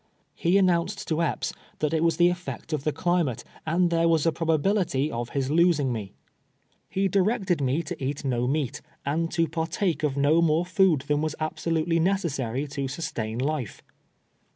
He announced to Epps that it was the effect of the climate, and there was a proba bility of his losing me. He directed nie to eat no H* ^ 12 178 TWELVE YEARS A SLAVE. meat, and to partake of no more food than was abso lutely necessary to sustain life.